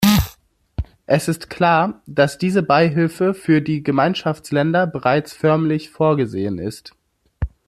Es ist klar, dass diese Beihilfe für die Gemeinschaftsländer bereits förmlich vorgesehen ist.